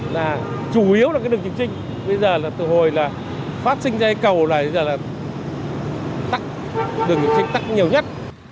là chủ yếu là cái đường trịnh trinh bây giờ là từ hồi là phát sinh ra cái cầu này bây giờ là tắc đường trịnh trinh tắc nhiều nhất